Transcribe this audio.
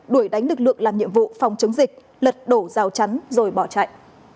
đuổi đánh lực lượng làm nhiệm vụ phòng chống dịch lật đổ rào chắn rồi bỏ chạy